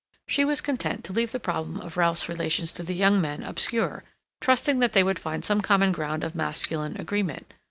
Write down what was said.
She was content to leave the problem of Ralph's relations to the young men obscure, trusting that they would find some common ground of masculine agreement.